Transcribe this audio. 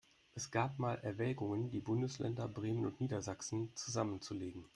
Es gab mal Erwägungen, die Bundesländer Bremen und Niedersachsen zusammenzulegen.